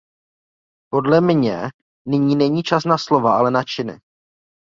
Podle mě nyní není čas na slova, ale na činy.